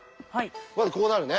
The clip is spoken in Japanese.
まずこうなるね。